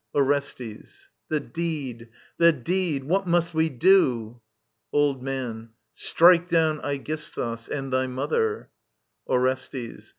Orestes. The deed, the deed I What must we do i Old Man. Strike down Aegisthus ••. and thy mother. Orestes.